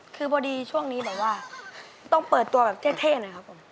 คือพอดีช่วงนี้แบบว่าต้องเปิดตัวแบบเท่หน่อยครับผม